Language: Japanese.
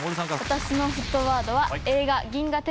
私の沸騰ワードは映画。